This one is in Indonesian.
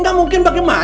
gak mungkin bagaimana